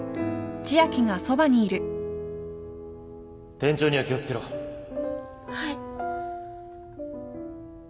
転調には気を付けろはい。